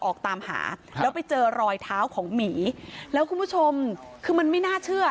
ออกตามหาแล้วไปเจอรอยเท้าของหมีแล้วคุณผู้ชมคือมันไม่น่าเชื่อ